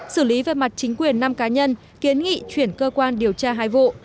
xử lý về mặt chính quyền năm cá nhân kiến nghị chuyển cơ quan điều tra hai vụ